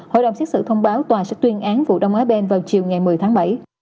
hội đồng xét xử thông báo tòa sẽ tuyên án vụ đông á bên vào chiều ngày một mươi tháng bảy